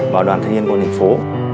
và đoàn thanh niên phòng thành phố